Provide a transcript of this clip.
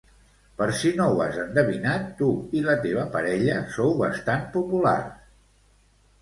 Per si no has endevinat, tu i la teva parella sou bastant populars.